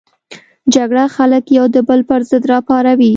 جګړه خلک یو د بل پر ضد راپاروي